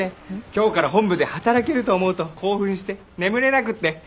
今日から本部で働けると思うと興奮して眠れなくって。